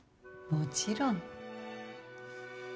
もちろん。